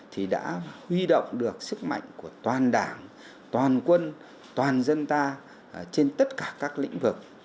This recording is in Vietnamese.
thì đã huy động được sức mạnh của toàn đảng toàn quân toàn dân ta trên tất cả các lĩnh vực